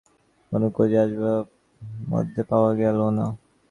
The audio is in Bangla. গোপন ড্রয়ার জাতীয় কিছু লুকোনো কোণ-ঘোজি আসবাবপত্রগুলোর মধ্যে পাওয়া গেল না।